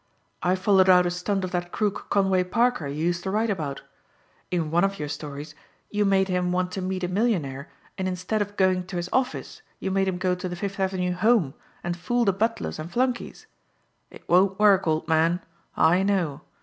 I followed out a stunt of that crook, Conway Parker, you used to write about. In one of your stories you made him want to meet a millionaire and instead of going to his office you made him go to the Fifth Avenue home and fool the butlers and flunkeys. It won't work, old man. I know.